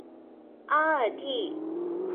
阿尔蒂。